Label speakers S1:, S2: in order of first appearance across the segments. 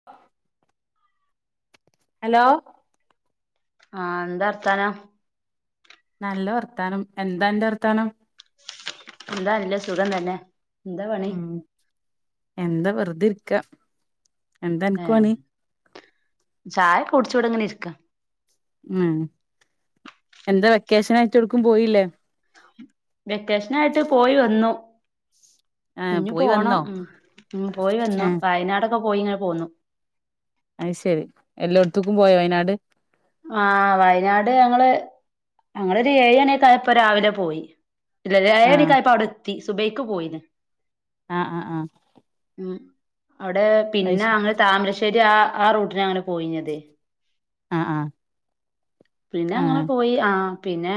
S1: [inaudible] Hello
S2: ആഹ് ന്താ വർത്താനം
S1: നല്ല വർത്താനം എന്താ അന്റെ വർത്താനം
S2: എന്താ നല്ല സുഖം തന്നെ എന്താ പണി
S1: ഉം എന്താ വെറുതെ ഇരിക്ക എന്താ അനക്ക്
S2: ഏഹ്
S1: പണി
S2: ചായ കുടിച്ച് ഇവടെ ഇങ്ങനെ ഇരിക്ക
S1: ഉം എന്താ വെക്കേഷൻ ആയിട്ട് എവ്ട്ക്കും പോയില്ലേ?
S2: വെക്കേഷൻ ആയിട്ട് പോയി വന്നു.
S1: ആഹ്
S2: ഇഞ്ഞി
S1: പോയി വന്നോ
S2: പോണം ഉം പോയി വന്നു
S1: ആഹ്
S2: വയനാടൊക്കെ പോയി ങ്ങനെ പോന്നു.
S1: അഹ് ശരി എല്ലോട്ത്ത്ക്കും പോയോ വയനാട്.
S2: ആഹ് വയനാട് ഞങ്ങള് ഞങ്ങളൊരു ഏഴണി ഒക്കെ ആയപ്പോ രാവിലെ പോയി. ഏഴണി
S1: ആഹ്
S2: ഒക്കെ ആയപ്പ അവിടെ എത്തി സുബൈക്ക് പോയിണ്
S1: ആഹ് ആഹ് ആഹ്
S2: ഉം അവിടെ
S1: അത്
S2: പിന്നെ
S1: ശരി
S2: അങ്ങ് താമരശ്ശേരി ആ ആ റൂട്ടിന അങ്ങനെ പോയിഞ്ഞത്
S1: ആഹ് ആഹ് ആഹ്
S2: പിന്നെങ്ങനെ പോയി ആ പിന്നെ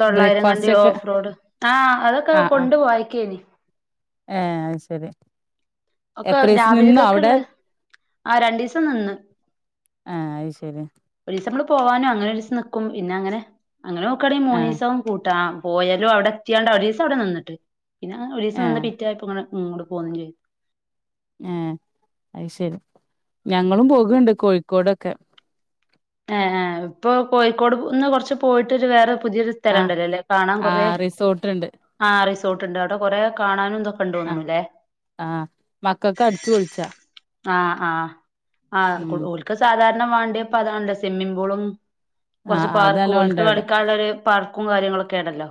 S2: തൊള്ളായിരം കണ്ടി
S1: ബ്രേക്ക്ഫാസ്റ്റ് ഒക്കെ
S2: ഓഫ് റോഡ്. ആഹ് അതൊക്കെ
S1: ആഹ് ആഹ്
S2: കൊണ്ട് പോയക്കേനി.
S1: ഏഹ് അഹ് ശരി
S2: ഒക്കെ
S1: എത്രീസം
S2: രാവില
S1: നിന്നോ അവിടെ
S2: കക്ക്ള്ള ആ രണ്ടിസം നിന്ന്
S1: ഏഹ്, അത് ശരി
S2: ഒരീസം നമ്മൾ പോവാനും. അങ്ങനെ ഒരീസം നിക്കും. പിന്നെ അങ്ങനെ, അങ്ങനെ നോക്കാണെങ്കി
S1: ആഹ്
S2: മൂന്നീസം കൂട്ടാ. ആഹ് പോയാലും അവിടെ എത്തിയാണ്ട് ഒരീസം അവിടെ നിന്ന്ട്ട്. പിന്നെ ഒരീസം നിന്ന്
S1: ആഹ്
S2: പിറ്റായപ്പോ ഇങ്ങെട് ങ്ങോട് പോന്നും ചെയ്ത്.
S1: ഏഹ് അയ് ശരി, ഞങ്ങളും പോക്ണ്ട് കോഴിക്കോടൊക്കെ.
S2: ഏഹ് ഏഹ്, ഇപ്പൊ കോഴിക്കോട്ന്ന് കുറച്ച് പോയിട്ടൊരു വേറെ പുതിയൊരു
S1: ആഹ്
S2: സ്ഥലംണ്ടല്ലോ ല്ലെ കാണാൻ കൊറെ.
S1: ആഹ് റിസോർട്ട്ണ്ട്
S2: ആഹ് റിസോർട്ട്ണ്ട്. അവ്ടെ കൊറെ കാണാനുംതൊ
S1: അഹ്, ആഹ് മക്കക്കടിച്ചു പൊളിച്ചാ.
S2: ആഹ് ആഹ്, ആഹ്
S1: ഉം
S2: ക് ഓൽക്ക് സാധാര്ണ മാണ്ട്യെപ്പത് ആണല്ലൊ സ്വിമ്മിംഗ് പൂളും, കൊർച്ച്
S1: ആഹ് അത്
S2: പാർക്കും,
S1: നല്ലോം ഉണ്ട്
S2: ഓൽക്ക്
S1: അവിടെ
S2: കളിക്കാനുള്ള ഒരു പാർക്കും കാര്യങ്ങളൊക്കേണല്ലോ.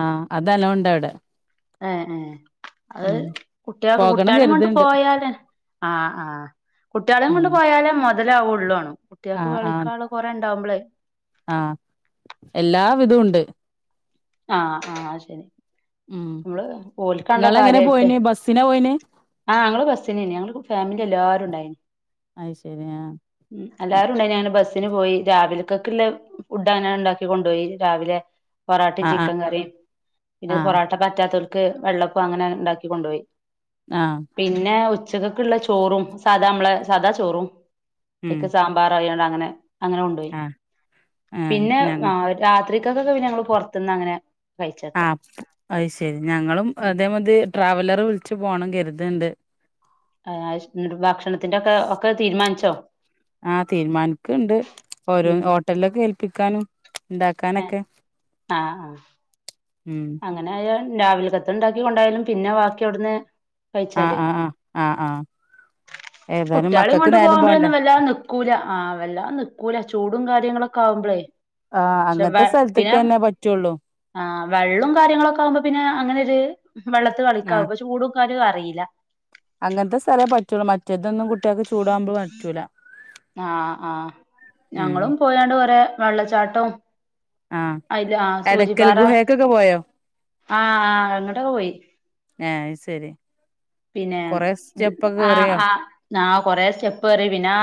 S1: ആഹ്, അതല്ലോം ഇണ്ട് അവ്ടെ.
S2: ഏഹ് ഏഹ്. അത് കുട്ട്യേക്
S1: പോകണം
S2: കുട്ട്യേളിം കൊണ്ട്
S1: കരുത്ണ്ട്
S2: പോയാല്. ആഹ് ആഹ് കുട്ട്യാളിം
S1: ഉം
S2: കൊണ്ട് പോയാലേ മൊതലാവുള്ള്വാണും. കുട്ട്യാക്ക്
S1: ആഹ് ആഹ്
S2: കളിക്കാൻള്ള കൊറേ ഉണ്ടാവുമ്പളേ.
S1: ആഹ്, എല്ലാ വിധൂണ്ട്.
S2: ആഹ് ആഹ് അത് ശരി,
S1: ഉം
S2: നമ്മള് ഓൽക്കാണല്ലോ
S1: ഇങ്ങളെങ്ങനെ
S2: കാര്യായിട്ട്.
S1: പോയിന് ബസ്സിനാ പോയിന്
S2: ആഹ് ഞങ്ങൾ ബസ്സിനേനി. ഞങ്ങള് ഫാമിലിൻ്റെ എല്ലാരുണ്ടായിനി.
S1: അയ് ശരി ആഹ്.
S2: ഉം, എല്ലാരുണ്ടായിനി അങ്ങനെ ബസ് സിന് പോയി. രാവിൽക്കക്ക്ള്ളെ ഫുഡ് അങ്ങനാണ്ട് ണ്ടാക്കി കൊണ്ടോയി. രാവിലെ പൊറാ ട്ടി
S1: ആഹ്
S2: ചിക്കൻ കറിം. പിന്നെ
S1: ആഹ്
S2: പൊറോട്ട പറ്റാത്തോൽക്ക് വെള്ളപ്പം അങ്ങനാണ്ട് ണ്ടാക്കി കൊണ്ടോയി.
S1: ആഹ്
S2: പിന്നെ ഉച്ചക്കക്ള്ള ചോറും. സാദാ നമ്മളെ സാദാ ചോറും,
S1: ഉം
S2: അയ്ക്ക് സാ മ്പാറായാണ്ട് അങ്ങനെ, അങ്ങനെ കൊണ്ടോയി
S1: ആഹ് ആഹ്
S2: പിന്നെ,
S1: ഞങ്ങ
S2: ആഹ് രാത്രിക്കക്ക് ഒക്കെ ഞങ്ങൾ പൊറ്ത്ത്ന്ന് അങ്ങനെ, കഴിച്ചേക്കാ
S1: ആഹ്, അപ് അത് ശരി, ഞങ്ങളും അതേ മതി ട്രാവലറ് വിളിച്ച് പോണം കരുത്ണ്ട്.
S2: ആഹ്. അഹ് ശ്. ന്നിട്ട് ഭക്ഷണത്തിൻ്റൊക്കെ ഒക്കെ തീരുമാനിച്ചോ?
S1: ആഹ് തീരുമാനിക്ക്ണ്ട് ഓരോ
S2: ഉം
S1: ഹോട്ടൽലൊക്കെ ഏൽപ്പിക്കാനും.
S2: ആഹ്
S1: ഇണ്ടാക്കാനൊക്കെ,
S2: ആഹ്
S1: ഉം.
S2: അങ്ങനെ ആയാ രാവിൽകത്തത് ഇണ്ടാക്കി കൊണ്ടായാലും പിന്നെ വാക്കി അവട്ന്ന്
S1: ആഹ്
S2: കയിച്ചാലേ.
S1: ആഹ് ആഹ് ആഹ് ആഹ് ഏതായാലും
S2: കുട്ട്യാളിം
S1: മക്കൾക്ക്
S2: കൊണ്ട്
S1: നേരം പോണ്ടേ
S2: പോക്മ്പഴൊന്നും വല്ലാതെ നിക് കൂല്ലാ. ആഹ് വെല്ലാം നിക്കൂല്ലാ ചൂടും കാര്യങ്ങളൊക്കെ ആവ്മ്പെളേ.
S1: ആഹ് അങ്ങത്തെ സ്ഥൽത്ത്ക്കെന്നെ പറ്റൊള്ളൂ.
S2: ആഹ് വെള്ളും കാര്യങ്ങളൊക്കെ ആവ്മ്പോ പിന്നെ അങ്ങനൊര് വെള്ളത്ത് കളിക്കാ അപ്പ ചൂടും കാരും അറീല്ലാ.
S1: അങ്ങൻത്തെ സ്ഥലേ പറ്റൊള്ളൂ. മറ്റേതൊന്നും കുട്ട്യേക്ക് ചൂടാവ്മ്പ പറ്റൂല്ലാ.
S2: ആഹ് ആഹ്
S1: ഉം
S2: ഞങ്ങളും പോയാണ്ട് കൊറെ വെള്ളച്ചാട്ടും
S1: ആഹ്
S2: അയ്ല് ആഹ്
S1: എടക്കൽ
S2: സൂചിപ്പാറ
S1: ഗുഹേക്കൊക്കെ പോയോ
S2: ആഹ് ആഹ് അങ്ങട്ടൊക്ക പോയി.
S1: ആഹ് അയ് സെരി.
S2: പിന്നെ ആഹ്
S1: കേറിയോ
S2: ആഹ് ന്നാ കൊറേ സ്റ്റെപ്പ് കേറി പിന്നാ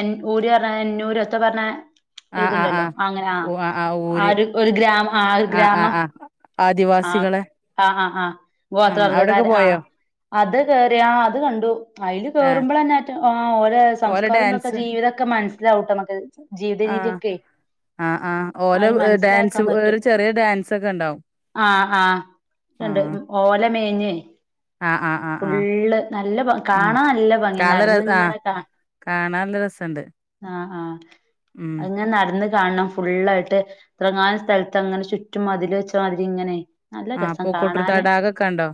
S2: എൻ ഊര് പർഞെ എന്നൂരോ എത്തോ പർഞെ, ഒര്
S1: ആഹ്
S2: ഇത്
S1: ആഹ്
S2: ഇണ്ടല്ലോ
S1: ആഹ്
S2: അങ്ങനെ ആഹ് ആ ഒര് ഒര് ഗ്രാമ ആഹ് ഒര്
S1: ആഹ്
S2: ഗ്രാമം
S1: ആഹ്
S2: ആഹ്
S1: ആദിവാസികളെ
S2: ആഹ് ആഹ് ആഹ്
S1: ആഹ് അവിടൊക്കെ
S2: ഗോത്രവർഗ്ഗക്കാര് ആഹ്.
S1: പോയോ
S2: അത് കേറി, ആഹ് അത് കണ്ടു അയില്
S1: ഏഹ്
S2: കേറുമ്പളെന്നെ മറ്റെ ആഹ് ഓലെ സം സ്ക്കാരും ഇതൊക്കെ ജീവിതൊക്കെ മനസ്സിലാവുട്ടൊ നമ്മക്ക്.
S1: ആഹ് ആഹ് ആഹ് ഓലെ
S2: അത്
S1: ഏഹ് ഡാൻസ്
S2: മനസ്സിലാക്കാൻ
S1: ഒര്
S2: പറ്റും
S1: ചെറിയ ഡാൻസൊക്കെ ണ്ടാവും.
S2: ആഹ് ആഹ് ഇണ്ട്. ഓല മേഞ്ഞെ
S1: ആഹ് ആഹ് ആഹ് ആഹ്
S2: ഫുള്ള് നല്ല ബ
S1: ഉം
S2: കാണാൻ നല്ല ബംഗിയാണ്
S1: കാണ
S2: നടന്ന്
S1: ആഹ്
S2: ഇങ്ങനെ കാ
S1: കാണാൻ നല്ലാ രേസോണ്ട്
S2: ആഹ് ആഹ് അഹ് ഇങ്ങനേ നടന്ന് കാണണം ഫുള്ളായിട്ട് എത്തറങ്ങാനും സ്ഥലത്ത് അങ്ങനെ ചുറ്റും മതില് വെച്ചാ മാതിരി ഇങ്ങനെ നല്ല
S1: ആഹ്
S2: രെസം
S1: പൂക്കോട്ടൂർ
S2: കാണാന്
S1: തടാകക്കെ കണ്ടോ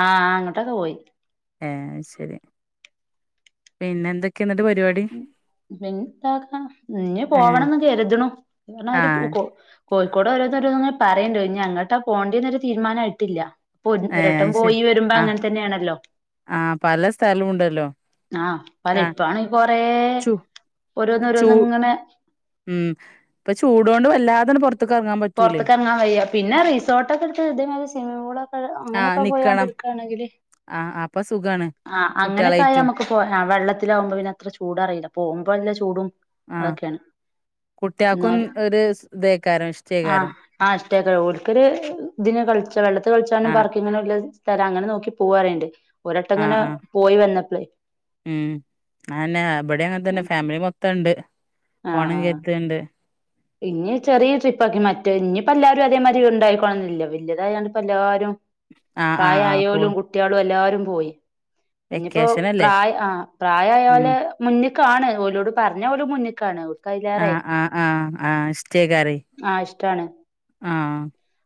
S2: ആഹ് ആഹ് അങ്ങാട്ടോക്കെ പോയി
S1: ഏഹ് അഹ് ശരി പിന്നെ എന്തൊക്ക്യായ എന്നിട്ട് പരി
S2: പിന്നെന്താക്ക ഇഞ്ഞ്
S1: ഏ
S2: പോവണം എന്ന് കരുത് ന് എങ്ങനെ
S1: ആ
S2: ആയാലും ഒരു പോക്ക് പോകും കോഴിക്കോട് ഓരാന്ന് ഓരോന്ന് ഇങ്ങനെ പറയണ്ട് ഇനി എങ്ങോട്ടാ പോണ്ടേന്നൊര് തീരുമാനം ആയിട്ടില്ല പോയി
S1: ഏ
S2: ഒരട്ടം
S1: അത് ശരി
S2: പോയി വെര്മ്പോ
S1: ആ
S2: അങ്ങനെ തന്നെയാണല്ലോ
S1: ആ പല സ്ഥലവും ഉണ്ടല്ലോ
S2: ആഹ്
S1: ആ
S2: [unintelligible] ഇപ്പാണേ കൊറ
S1: ചൂ
S2: ഓരോന്ന്
S1: ചൂ
S2: ഓരോന്ന് ഇങ്ങനെ
S1: ഉം ഇപ്പൊ ചൂടോണ്ട് വല്ലാതെ അങ്ങ് പൊറത്തേക്ക് എറങ്ങാൻ പറ്റൂല്ലോ
S2: ആഹ് വയ്യാ പിന്നെ റിസോർട്ടൊക്കെ എട്ത്ത് ഇതേപേലെ സിമ്മി ക്ക്
S1: ആ
S2: അങ്ങനെയൊക്കെ പോയാണ്ട്
S1: നിക്കണം
S2: എട്ക്കയാണെങ്കില്
S1: ആ അപ്പൊ സുഖാണ്
S2: ആഹ് അങ്ങനെയൊക്കെ ആയാ
S1: കുട്ടികളായിട്ടും
S2: നമ്മക്ക് വെള്ളത്തിലാവമ്പൊ പിന്നെ അത്ര ചൂട് അറിയില്ല പോവുമ്പോ നല്ല ചൂടും
S1: ആഹ്
S2: അതൊക്കെയാണ്
S1: കുട്ടിയക്കും
S2: എന്നാലും
S1: ഒര് ഇതക്കാരും ഇഷ്
S2: ആഹ് ആഹ് ഇഷ്ടക്ക്യാ ഓര്ക്കാര് ഇതിന് കളിച്ചാ വെള്ളത്തി
S1: ആ
S2: കളിച്ചാലും പാർക്കിങ്ങന്ലത് കാരം അങ്ങനെ നോക്കി പോവാറേണ്ട് ഒര് വട്ടം
S1: ആ
S2: അങ്ങനെ
S1: ആ
S2: പോയി വന്നപ്പാളേ
S1: ഉം അതെന്നെ ഇവടെ അങ്ങനെ തന്നെ ഫാമിലി മൊത്തം ഇണ്ട്
S2: ആഹ്
S1: പോണം
S2: ആഹ്
S1: വിചാരിക്ക് ണ്ട്
S2: ഇനി ചെറിയ ട്രിപ്പ് ആകി മറ്റേ ഇഞ്ഞ് ഇപ്പോ അതേ മാതിരി ഇണ്ടായിക്കോണം എന്നില്ല വലിയതായികാണ്ട് ഇപ്പോ എല്ലാരും
S1: ആ ആ ആ പോ
S2: പ്രായയോലും കുട്ടിളോം എല്ലോരും പോയി ഇഞ്ഞ് ഇപ്പോ
S1: വെക്കേഷൻ അല്ലേ
S2: പ്രായാ ആഹ്
S1: ഉം
S2: പ്രായായോലെ മുന്നിക്കാണ് ഓലോട് പറഞ്ഞാ ഓല് മുന്നിക്കാണ്
S1: ആഹ് ആഹ് ആഹ് ആഹ് ഇഷ്ട്ടേക്കാരേ
S2: ആഹ് ഇഷ്ട്ടാണ്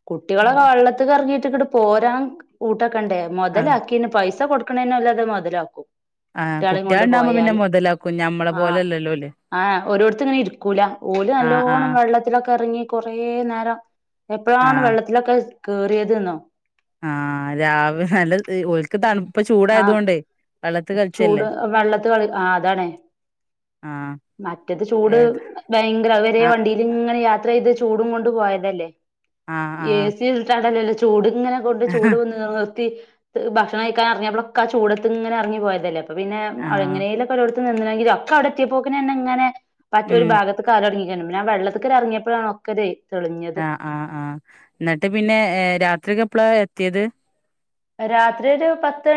S2: കുട്ടിളൊക്കെ
S1: ആഹ്
S2: വെള്ളത്തിലേറങ്ങിട്ട് ഇങ്ങാട് പോരാൻ കൂട്ടാക്കണ്ടേ
S1: ആഹ്
S2: മൊതലാക്കി ആക്കിന് പൈസ കൊട് ക്ക്നതിന് ഉള്ളത് മൊതലാക്കും
S1: ആഹ്
S2: കുട്ട്യാളീം
S1: കുട്ടിള്
S2: കൊണ്ട്
S1: ഇണ്ടാവുമ്പോ പിന്നെ
S2: പോയാല്
S1: മൊതലാക്കും ഞമ്മളെ പോലെ അല്ലല്ലോ ഓല്
S2: ആഹ് ഒരിടത്ത് ഇങ്ങനെ ഇരിക്കൂല്ലാ ഓൽ നല്ലോ
S1: ആഹ്
S2: ഇപ്പണം
S1: ആഹ്
S2: വെള്ളത്തിലൊക്കെ എറങ്ങി കൊറേ നേരം എപ്പളാണ്
S1: ആഹ്
S2: വെള്ളത്തിലൊക്കെ കേറിയത് എന്നോ
S1: ആഹ് രാവിലെ അല്ല ഒൽക്ക് തണുപ്പ്
S2: ആ
S1: ചൂടായതോണ്ടേ വെള്ളത്ത്
S2: ചൂട്
S1: കളിച്ചല്ലേ
S2: വെള്ളത്ത് കളി ആ അതാണ്
S1: ആഹ്
S2: മറ്റത് ചൂട്
S1: ഏത്
S2: ഭയങ്കര അതുവരെ
S1: ആഹ്
S2: വണ്ടി ഇങ്ങനെ യാത്ര ചെയ്തു ചൂടും കൊണ്ട് പോയതല്ലേ
S1: ആഹ്
S2: എ സി ഇട്ടാണ്ടല്ലോ ചൂട് ങ്ങനെ ഫുഡ് ചൂട്
S1: ആഹ്
S2: നിർത്തി ഭക്ഷണം കഴിക്കാൻഇറങ്ങിയപ്പോ ഒകെ ആ ചൂടത്ത് ഇങ്ങനെ ഇറങ്ങിയപ്പോ പോയതല്ലേ അപ്പൊ പിന്നെ
S1: ആഹ്
S2: എങ്ങനെലൊക്കെ ഓരൊട്ത്ത് നിന്നെങ്കില ഒക്കെ അവിടെ എത്തിയപ്പോക്കിെന്നെ ഇങ്ങനെ മറ്റൊ ഒരു
S1: ഉം
S2: ഭാഗത്ത് കാൽ തുടങ്ങിക്ക് പിന്നെ ആ വെള്ളത്തിക്കറി ഇറങ്ങിയപ്പോഴാണ് ഒക്കെ തെളിഞ്ഞത്
S1: ആ ആഹ എന്നിട്ട് പിന്നെ രാത്രിക്കെ എപ്പോഴാ എത്തിയത്
S2: രാത്രി ഒരു പത്ത്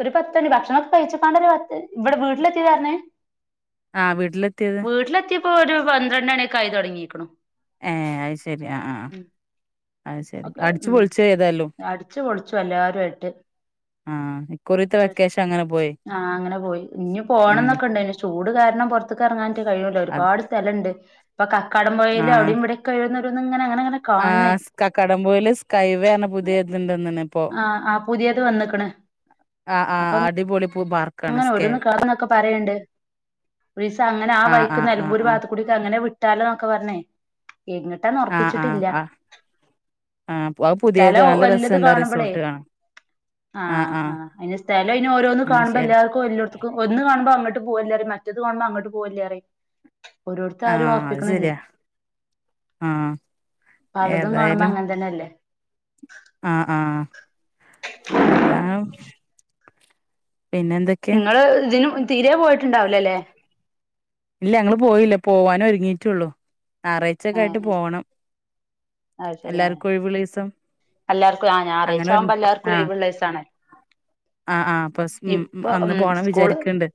S2: ഒരു പത്തു മണി ഭക്ഷണം ഒക്കെ കഴിച്ചപ്പാണ്ടല്ല പത്ത് ഇവിടെ വീട്ടിലെത്തിയതാ പറഞ്ഞേ
S1: ആഹ് വീട്ടിലെത്തിയത്
S2: വീട്ടിലെത്തിയപ്പോ ഒരു പന്ത്രണ്ട് മണി ആയി തുടങ്ങിരിക്ക്ന്
S1: ഏ അത് ശരി ആ ആ
S2: ഒക്കെ ഉം
S1: ഏതായാലും
S2: അടിച്ചു പൊളിച്ചു എല്ലാവരും ആയിട്ട്
S1: ആഹ് ഇക്കുറിത്തെ വെക്കേഷൻ അങ്ങനെ പോയി
S2: ആഹ് അങ്ങനെ പോയി ഇഞ്ഞു
S1: ഉം
S2: പോണംന്നൊക്കെ ഇണ്ടയ്ന് ചൂട് കാരണം പൊർ ത്ത്ക്ക് ഇറങ്ങാൻറ്റ് കഴിയൂല
S1: അത്
S2: ഒരുപാട് സ്ഥലണ്ട് ഇപ്പ കക്കാടം പൊഴയല്
S1: ആഹ്
S2: അവിടേം ഇവിടടെം ഓക്കെ ഓരോന്നു ഒരോന്ന് ഇങ്ങനെ അങ്ങനെങ്ങനെ കാണ്ണ്
S1: കക്കാടംപൊയില് സ്കൈവേ അർഞ്ഞ പുതിയത് ഇതുണ്ടന്നെണെ ഇപ്പോ
S2: ആഹ് ആഹ് പുതിയത് വന്ന്ക്ക്ണ്
S1: ആഹ് ആഹ്
S2: അപ്പങ്ങ്
S1: അടിപൊളി പൂ പാർക്ക്
S2: അങ്ങനെ ഓരോന്ന് കാണുന്നൊക്കെ പറയണ്ട് ഒരിസം അങ്ങനെ ആ
S1: ആഹ്
S2: വഴിക്ക്
S1: ആഹ് ആഹ്
S2: നിലമ്പൂർ ഭാഗത്ത്‌ ക്കൂടി അങ്ങനെ വിട്ടാലോ എന്നൊക്കെ പറഞ്ഞേ എങ്ങിട്ടാന്ന്
S1: ആഹ് ആഹ് ആഹ്
S2: ഉറപ്പിച്ചിട്ടില്ല
S1: ആഹ് ആഹ് അത് പുതിയത് നല്ല രസണ്ട് ആ
S2: കാണുമ്പളേ
S1: റിസോർട്ട് കാണാൻ
S2: ആഹ് ആഹ് അയിന് സ്ഥലം ഇനി ഓരോന്നും
S1: ആഹ്
S2: കാണുമ്പൊ
S1: ശരി
S2: എല്ലാ ർക്കും എല്ലൊട്ത്തുക്കും ഒന്ന് കാണുമ്പോ അങ്ങട്ട് പോകല്ലേ പറയും മറ്റത് കാണുമ്പോ അങ്ങട്ട് പോവല്ലേ പറയും ഓരോട്ത്ത് ആരും
S1: ആഹ് അത്
S2: ഉറപ്പിക്കണില്ലേ
S1: ശരിയാ ആഹ്
S2: പലതും കാണുമ്പോ
S1: ഏതായാലും
S2: അങ്ങൻതന്നെല്ലേ
S1: ആഹ് ആഹ് അതാ പിന്നെന്ത്‌
S2: ഇങ്ങള് ഇതിനും തീരെ പോയിട്ടുണ്ടാവില്ല ല്ലെ
S1: ഇല്ല ഞങ്ങള് പോയില്ല പോവാനും ഒരുങ്ങിട്ടുള്ളു ഞായറാഴ്ചക്കെ
S2: ഏഹ്
S1: ആയിട്ട്
S2: ഏഹ്
S1: പോണം
S2: അത് ശരി ആഹ്
S1: എല്ലാർക്കും ഒഴിവുള്ളീസം
S2: എല്ലാർക്കും ആഹ് ഞായറാഴ്ച ആവുമ്പോ എല്ലാവർക്കും ഒരു
S1: ആഹ്
S2: ഒഴിവുള്ള ദിവസം ആണ്
S1: ആഹ് ആഹ് പസ് മ് അന്ന്
S2: ഉം
S1: പോണം
S2: സ്കൂള്
S1: വിചാരിക്കണ്ട്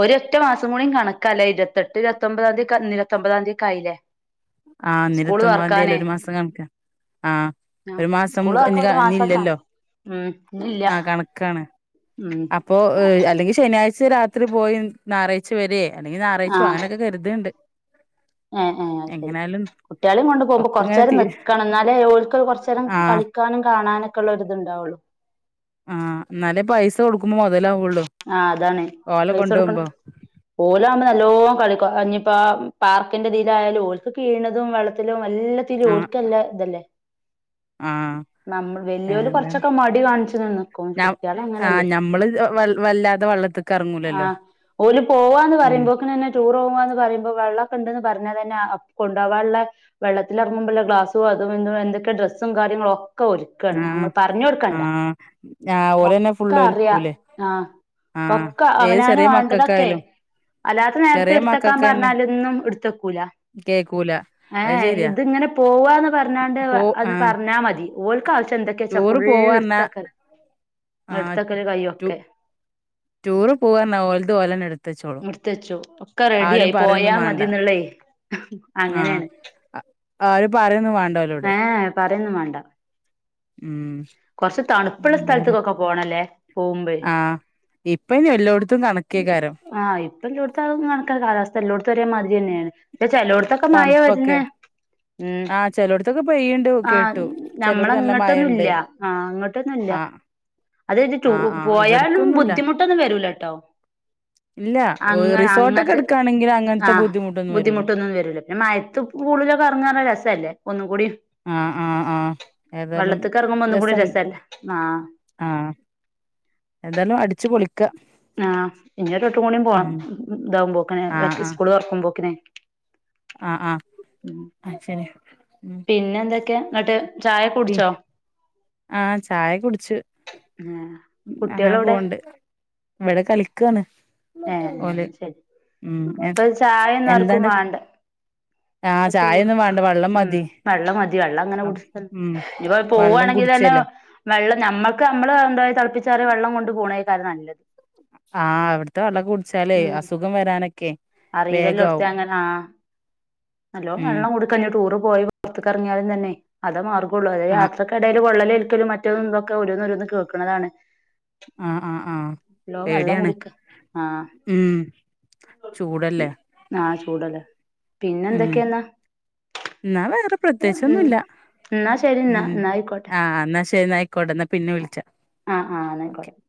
S2: ഒരൊറ്റ മാസം കൂടി കണക്കാ ലേ ഇരുപത്തെട്ട് ഇരുപത്തൊമ്പതാം തീക്കെ ഇന്ന് ഇരുപത്തിഒമ്പതാം തീ തീ ഒക്കായില്ലേ
S1: ആഹ് ഇന്ന് ഇരുമ്പത്ഒമ്പതാം തീ അല്ലെ ഒരു മാസം കണക്ക. ആഹ്
S2: ആഹ്
S1: ഒരു മാസം
S2: സ്കൂള്
S1: ക
S2: തൊറക്കാൻ
S1: ഇനികാ
S2: ഒരു
S1: ഇനി
S2: മാസൊക്കാണ്
S1: ഇല്ലല്ലോ
S2: ഉം ഇന്നില്ല
S1: ആഹ് കണക്കാണ്
S2: ഉം
S1: അപ്പോ അല്ലെങ്കി ശനിയാഴ്ച രാത്രി പോയി നാറാഴ്ച വരേ അല്ലെങ്കി നായറാഴ്ച്ചോ
S2: ആഹ്
S1: അങ്ങനൊക്കെ കരുത്ണ്ട്
S2: ഏഹ് ഏഹ് അത്ശരി കുട്ട്യാളേം കൊണ്ട് പോകുമ്പൊ
S1: ഒക്കെ ഇങ്ങനെ
S2: കൊർചേരം
S1: തീ
S2: നിക്കണം എന്നാലേ ഓലിക്ക് കൊർച്ചേരം
S1: ആഹ്
S2: കളിക് ക്കാനും കാണാനൊക്കെള്ള ഒരു ഇത് ഇണ്ടാവുള്ളൂ
S1: ആഹ് എന്നാലേ പൈസ കൊടുക്കുമ്പൊ മുതലാവുള്ളൂ
S2: ആഹ് അതാണ്
S1: ഓലെ
S2: പൈസ കൊടുക്കണം
S1: കൊണ്ടുപോകുമ്പോ
S2: ഓലാവുമ്പോ നല്ലോ കളിക്കു അഞ്ഞിപ്പാ പാർക്കിന്റെ ഇതിയിലായാലും ഓൽക്ക് കീണതും വെള്ളത്തിലും എല്ല ത്തിലും
S1: ആഹ്
S2: ഓൽക്ക് നല്ല ഇതല്ലേ
S1: ആഹ്
S2: നമ്മൾ വല്യോല്
S1: ഏമ് ഏമ്
S2: കൊറച്ചൊക്കെ മടി കാണിച്ചു നിക്കും
S1: ഞാം
S2: കുട്ട്യാള്
S1: ആഹ്
S2: അങ്ങനല്ലേ
S1: ഞമ്മള് വൽ വല്ലാ തെ വെള്ളത്ത്
S2: ആഹ് ഓല് പോവാന്ന്
S1: ഉം
S2: പറയുമ്പോക്കണന്നെ ടൂർ പോവാന്ന് പറയുമ്പോ വെള്ളൊക്കെണ്ടന്ന് പറഞ്ഞാതന്നെ ആ കൊണ്ട് പോവാൻള്ളെ വെള്ളത്തിൽ ഇറങ്ങുമ്പോല്ല ഗ്ലാസ്സു അതും ഇതും എന്തൊക്കെ ഡ്രസ്സും കാര്യങ്ങലളൊക് ക്കെ ഒരുക്കാണ്
S1: ആഹ്
S2: നമ്മൾ പർഞ്ഞൊടുക്കണ്ട
S1: ആഹ് ആഹ് ഓലന്നെ
S2: ഒക്കെ
S1: ഫുള്ള്
S2: അറിയാ
S1: ഒരുക്കൂലേ
S2: ആഹ്
S1: ആഹ്
S2: ഒക്കെ
S1: ഏത്
S2: അവനാന്
S1: ചെറിയ
S2: വാണ്ടതൊക്കെ
S1: മക്കൾക്കായാലും
S2: അല്ലാത്ത നേര്ത്ത്
S1: ചെറിയ
S2: എടുത്തക്കാൻ
S1: മക്കൾക്ക് തന്നെ
S2: പറഞ്ഞാലൊന്നും എടുത്തക്കൂല
S1: കേക്കൂല അത്
S2: ഏഹ്
S1: ശരിയാ
S2: ഇത്ങ്ങനെ പോവാന്ന് പറഞ്ഞാണ്ട്
S1: പോ
S2: അത്
S1: ആഹ്
S2: പറഞ്ഞാ മതി ഓൽൽകാവശ്യം എന്തൊക്കെ വച്ചാ
S1: ടൂറ്
S2: ഫുള്ള്
S1: പോവാർഞ്ഞാ
S2: ടുത്തക്കൽ
S1: ആഹ്
S2: എടുത്തക്കൽ
S1: ടു
S2: കയ്യൊക്കെ
S1: ടൂറ് പോവാറഞ്ഞാ ഓലത് ഓലന്നെ എടുത്തച്ചോളും
S2: എടുത്തച്ചു ഒക്കെ റെഡി ആയി പോയാ മതിന്നള്ളേ
S1: ആഹ് അത്‌ പറയൊന്നു വേണ്ട ഓലോഡ്
S2: ഏ പറയൊന്നും വേണ്ട
S1: ഉം
S2: കുറച്ച് തണുപ്പുള്ള
S1: എന്തായാലും
S2: സ്ഥലത്തേക്കൊക്കെ പോണല്ലേ പോകുമ്പോ
S1: ആഹ് ഇപ്പ ഇനി എല്ലായിടത്തും തണ്ക്കേക്കാര
S2: ആഹ് ഇപ്പഎല്ലോടുതും അ കണക്കാ കാലാവസ്ഥ എല്ലോടതും ഒരേമാതിരി തന്നെയാണ് ചെലോടത്തൊക്കെ മയ
S1: തണുപ്പൊക്കെ
S2: വരുന്ന് ഉം
S1: ആഹ് ചെലോട്ത്തൊക്കെ പെയ്യ്ണ്ട്
S2: ആഹ്
S1: കേട്ടു ചെലോട്ത്ത് നല്ല മഴണ്ട്
S2: ഞമ്മളങ്ങോട്ടൊന്നുംല്ല ആഹ് ഇങ്ങോട്ടൊന്നുംല്ല
S1: ആഹ്
S2: അത്ച്ച്ട്ട്
S1: ആഹ് ആഹ്
S2: പോയാലും
S1: ഇവട്ക്കൊന്നുല്ല
S2: ബുദ്ധിമുട്ടൊന്നും വരൂലട്ടോ
S1: ഇല്ല
S2: അങ്ങനെ
S1: റിസോർട്ടൊക്കെ
S2: അങ്ങത്തെ
S1: ഇട്ക്കാണെങ്കിൽ അങ്ങൻത്തെ
S2: ആഹ്
S1: ബുദ്ധിമുട്ടൊന്നും വരൂല
S2: ബുദ്ധിമുട്ടൊന്നും വരൂല പിന്നെ മയത്ത് പൂളി ലൊക്കെ എറങ്ങാറഞ്ഞ രസല്ലേ ഒന്നുകൂടി
S1: ആഹ് ആഹ് ആഹ് ഏതായാലും
S2: ഇറങ്ങുമ്പോ ഒന്നും കൂടി
S1: രസം
S2: രസല്ലേ ആഹ്
S1: ആഹ് എന്താലും അടിച്ചു പൊളിക്ക
S2: ആഹ് ഇനി ഒരുവട്ടംകൂടി പോണം
S1: ഉം
S2: ഇതാവുമ്പോക്കിന് വെ
S1: ആഹ് ആഹ്
S2: സ്കൂള് തൊറക്കും പോക്കനെ
S1: ആഹ് ആഹ് അത് ശരി ഉം
S2: പിന്നെ എന്തൊക്കെയാന്നിട്ട് ചായ കുടിച്ചോ
S1: പിന്നെ ആഹ് ചായ കുടിച്ചു
S2: ഏഹ്
S1: അങ്ങനെ
S2: കുട്ടികളെവിടെ
S1: പോണ് ണ്ട് ഇവിടെ കളിക്കാണ്
S2: ഏഹ്
S1: ഓല്
S2: ശരി
S1: ഉം
S2: ഇപ്പൊ ചായൊന്നും ആർക്കും
S1: എന്താണ്ട്
S2: വാണ്ട
S1: ആഹ്
S2: പ്പ ചൂട്
S1: ചായൊന്നും വേണ്ട വെള്ളം
S2: ആഹ്
S1: മതി
S2: വെള്ളം മതി വെള്ളം അങ്ങനെ കുടിച്ച്
S1: ഉം
S2: ഇനീപ്പോ
S1: വെള്ളം
S2: പോകുകവാണെങ്കി തന്നെ
S1: കുടിച്ചല്ലേ
S2: വെള്ളം നമ്മക്ക് നമ്മള് എ തിളപ്പിച്ചറിയ വെള്ളം കൊണ്ട് പോണേകാരം നല്ലത്
S1: ആഹ് എവിട് വ്ട്ത്തെവള്ളക്കെ കുടിച്ചാലേ
S2: ഉം
S1: അസുഖം വരാനൊക്കെ വേഗാവും
S2: അറിയില്ലല്ലോടത്തെ അങ്ങനെ ആഹ് നല്ലോ
S1: ഉം
S2: വെള്ളം കുടി ക്ക ടൂറ് പോയി പുറത്തകറങ്ങിയാലും തന്നെ അതെ മാർഗുള്ളു അതത്
S1: ആഹ്
S2: യാത്രക്കെടേല് പൊള്ളലേൽക്കലും മറ്റതും ക്ക ഓരോന്നോരോന്ന് കേൾക്ക്ണതാണ്
S1: ആഹ് ആഹ് ആഹ്
S2: വെള്ളം
S1: പേടിയാണ്
S2: കുടിക്ക ആഹ്
S1: ഉം
S2: പി
S1: ചൂടല്ലേ
S2: ആഹ് ചൂടല്ലേ പിന്നെന്തൊക്കെയാന്നാ
S1: ന്നാ വേറെ പ്രത്യേകിച്ചൊന്നുല്ല
S2: എന്നാ ശരി എന്നാ
S1: ഉം
S2: എന്നാ ആയിക്കോട്ടെ
S1: ആഹ് എന്നാ ശരി അയ്ക് ക്കോട്ടെ എന്ന പിന്നെ വിളിച്ചാ
S2: ആഹ് ആഹ് ന്നയിക്കോട്ടെ
S1: ഓക്കെ